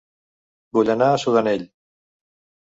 Vull anar a Sudanell